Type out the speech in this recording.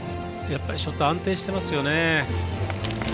やっぱりショット安定してますよね。